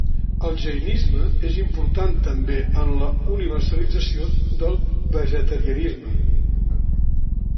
El jainisme és important també en la universalització del vegetarianisme.